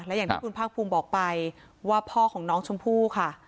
และอย่างที่คุณภาคภูมิบอกไปว่าพ่อของน้องชมพู่ค่ะ